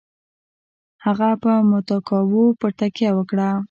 هغه پر متکاوو پر تکیه وه.